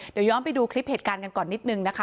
เดี๋ยวย้อนไปดูคลิปเหตุการณ์กันก่อนนิดนึงนะคะ